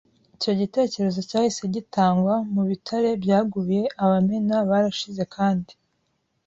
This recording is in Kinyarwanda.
Icyo gitekerezo cyahise gitangwa. Mu bitare byaguye abamena barashize kandi